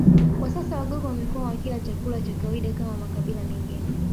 Kwa sasa Wagogo wamekuwa wakila chakula cha kawaida kama makabila mengine